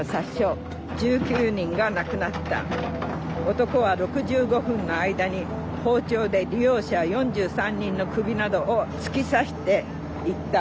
「男は６５分の間に包丁で利用者４３人の首などを突き刺していった。